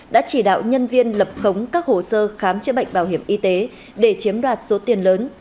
đã chỉ đạo nhân viên lập khống các hồ sơ khám chữa bệnh bảo hiểm y tế để chiếm đoạt số tiền lớn